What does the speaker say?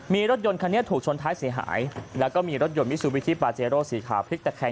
มีรถยนต์คันนี้ถูกชนท้ายเสียหายแล้วก็มีรถยนต์มิซูบิชิปาเจโร่สีขาวพลิกตะแคง